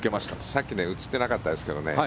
さっき映ってなかったですけどね